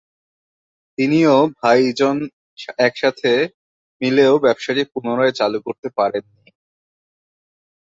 তিনি ও ভাই জন একসাথে মিলেও ব্যবসাটি পুনরায় চালু করতে পারেননি।